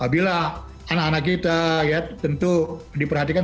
bila anak anak kita ya tentu diperhatikan